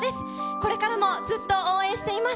これからもずっと応援しています。